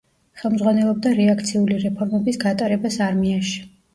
ხელმძღვანელობდა რეაქციული რეფორმების გატარებას არმიაში.